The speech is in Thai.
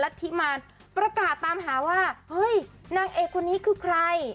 ทิมานประกาศตามหาว่าเฮ้ยนางเอกคนนี้คือใคร